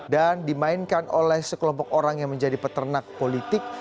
dan dimainkan oleh sekelompok orang yang menjadi peternak politik